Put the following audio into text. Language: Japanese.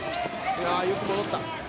よく戻った。